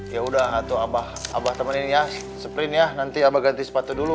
ya udah tuh abah temenin ya sprint ya nanti abah ganti sepatu dulu